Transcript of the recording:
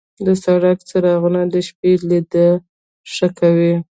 د سړک څراغونه د شپې لید ښه کوي.